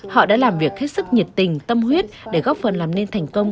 họ đã làm việc hết sức nhiệt tình tâm huyết để góp phần làm nên thành công